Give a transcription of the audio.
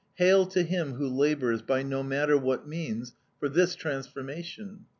Hail to him who labors, by no matter what means, for this transformation!